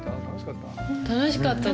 楽しかったです。